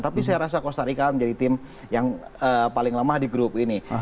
tapi saya rasa costa rica menjadi tim yang paling lemah di grup ini